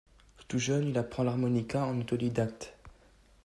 Tout jeune, il apprend l’harmonica en autodidacte.